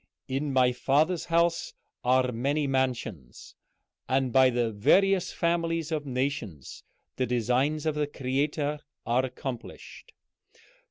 "'In my Father's house are many mansions,' and by the various families of nations the designs of the Creator are accomplished.